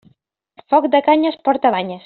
Foc de canyes porta banyes.